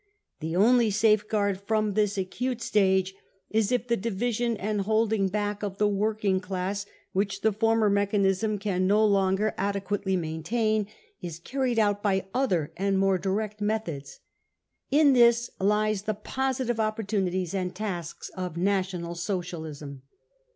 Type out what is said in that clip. ... The only safeguard from this acute stage is if the division and holding back of the working class, which the former mechanism can no longer adequately t 3 e path to power 41 maintain, is cartied out by other and iBDre direct methods. In this lie the positive opportunities and tasks of National Socialism